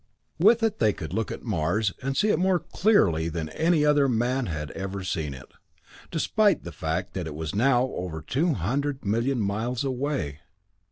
With it they could look at Mars and see it more clearly than any other man had ever seen it, despite the fact that it was now over two hundred million miles away.